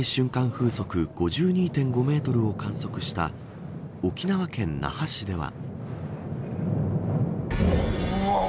風速５２．５メートルを観測した沖縄県那覇市では。